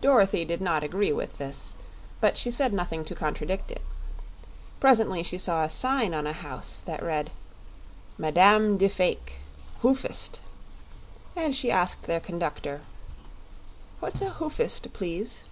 Dorothy did not agree with this, but she said nothing to contradict it. Presently she saw a sign on a house that read: "Madam de Fayke, Hoofist," and she asked their conductor: "What's a 'hoofist,' please?"